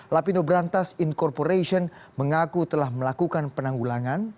lapindo berantas incorporation mengaku telah melakukan penanggulangan